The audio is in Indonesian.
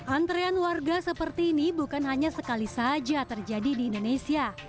antrean warga seperti ini bukan hanya sekali saja terjadi di indonesia